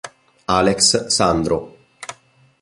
Alex Sandro